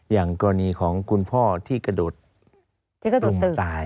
อย่างกรณีของกุญพ่อที่กระโดดตรงตาย